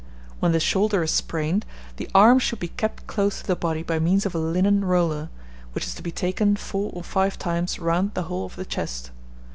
When the shoulder is sprained, the arm should be kept close to the body by means of a linen roller, which is to be taken four or five times round the whole of the chest.